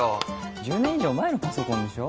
１０年以上前のパソコンでしょ